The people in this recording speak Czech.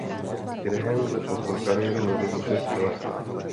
Graham začal svou kariéru ve věku šesti let.